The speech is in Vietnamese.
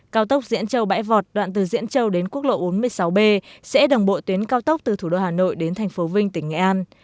cao tốc diễn châu bãi vọt đoạn từ diễn châu đến quốc lộ bốn mươi sáu b sẽ đồng bộ tuyến cao tốc từ thủ đô hà nội đến thành phố vinh tỉnh nghệ an